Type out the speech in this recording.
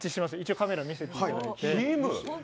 カメラに見せていただいて。